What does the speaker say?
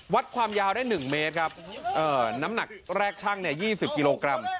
วัดความยาวได้๑เมตรครับน้ำหนักแรกช่าง๒๐กิโลกรัม